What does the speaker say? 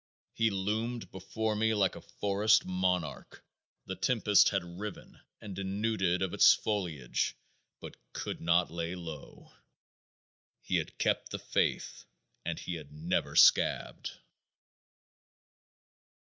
He loomed before me like a forest monarch the tempests had riven and denuded of its foliage but could not lay low. _He had kept the faith and had never scabbed!